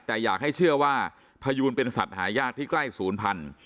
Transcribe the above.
แต่อยากให้เชื่อว่าพยูนเป็นสัตว์หายากที่ใกล้ศูนย์พันธุ์